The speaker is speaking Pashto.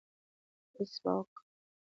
فیسبوک